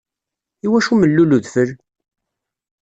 Iwacu mellul udfel?